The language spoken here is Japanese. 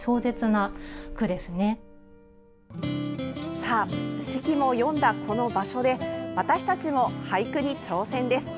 さあ、子規も詠んだこの場所で私たちも俳句に挑戦です。